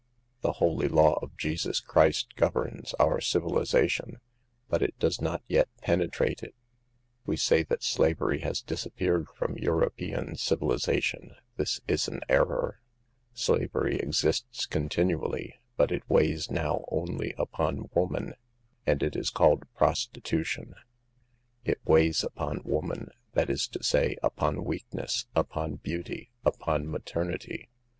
" The holy law of Jesus Christ governs our 10 218 fc*AVE THE GIRLS. civilization, but it does not yet penetrate it ; we say that slavery has disappeared from Euro pean civilization. This is an error. Slavery exists continually; but it weighs now only upon woman, and it is called prostitution. " It weighs upon woman, that is to say, upon weakness, upon beauty, upon maternity.